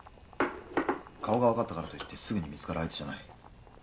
顔が分かったからといってすぐに見つかる相手じゃない。